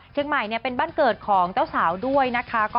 เชียงใหม่เป็นบ้านเกิดของเจ้าสาวด้วยนะคะ